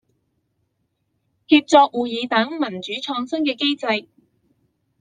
協作會議等民主創新的機制